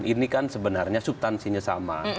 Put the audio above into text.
ini kan sebenarnya subtansinya sama